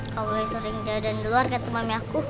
kau boleh sering jalan jalan keluar kata mami aku